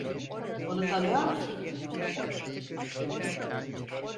Onu tanıyor musun?